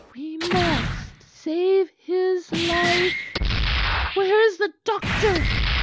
"We must save his life. Where is the doctor?